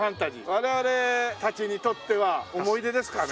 我々たちにとっては思い出ですかね。